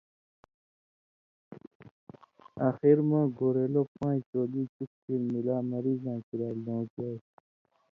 آخرہ مہ گورېلو پاݩژ تولی چُکوۡ ڇھیر ملا مریضاں کریا لوݩکیائ۔